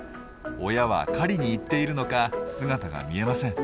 親は狩りに行っているのか姿が見えません。